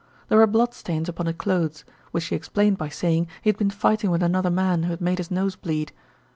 There were bloodstains upon his clothes, which he explained by saying he had been fighting with another man who had made his nose bleed.